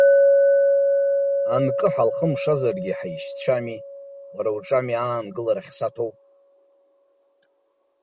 Анкы ҳалхымшазаргьы, ҳаишьцәами, уара уҿы ами аангылара ахьсыхәҭоу!